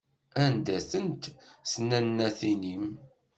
Anda-tent tnannatin-im?